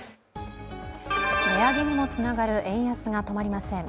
値上げにもつながる円安が止まりません。